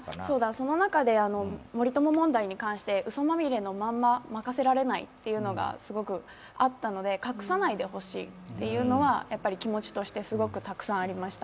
その中で森友問題に関してうそまみれのまま任せられないっていうのがすごくあったので、隠さないでほしいっていうのが気持ちとしてすごくたくさんありました。